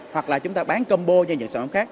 hoặc là chúng ta bán combo cho những sản phẩm khác